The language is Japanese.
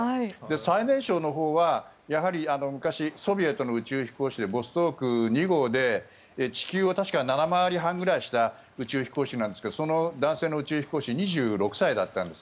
最年少のほうは昔ソビエトの宇宙飛行士でボストーク２号で地球を７回り半ぐらいした宇宙飛行士なんですがその男性の宇宙飛行士２６歳だったんです。